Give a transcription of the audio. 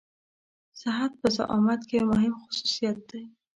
صحت په زعامت کې يو مهم خصوصيت دی.